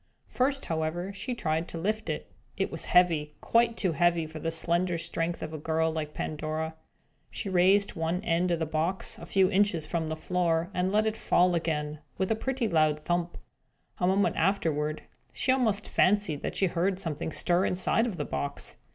First, however, she tried to lift it. It was heavy; quite too heavy for the slender strength of a child like Pandora. She raised one end of the box a few inches from the floor, and let it fall again, with a pretty loud thump. A moment afterward, she almost fancied that she heard something stir inside of the box.